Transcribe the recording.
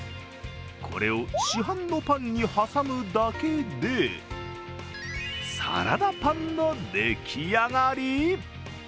これを市販のパンに挟むだけでサラダパンの出来上がり。